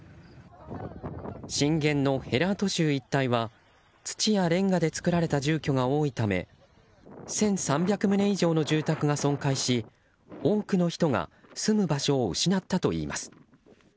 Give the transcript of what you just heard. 震源のヘラート州一帯は土やレンガで造られた住居が多いため１３００棟以上の住宅が損壊し多くの人が住む場所を失ったといいます。